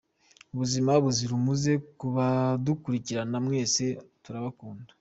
Ubuzima buzira umuze ku badukurikirana mwese turabakunda.